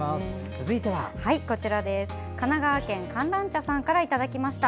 続いては、神奈川県かんらんちゃさんからいただきました。